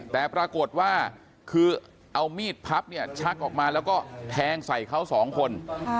แต่ปรากฏว่าคือเอามีดพับเนี่ยชักออกมาแล้วก็แทงใส่เขาสองคน